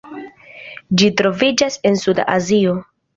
Ĝi troviĝas en Suda Azio.